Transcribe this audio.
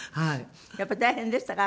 やっぱり大変でしたか？